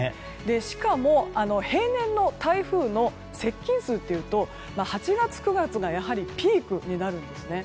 しかも、平年の台風の接近数というと８月、９月がやはりピークになるんですね。